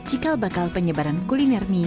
cikal bakal penyebaran kuliner mie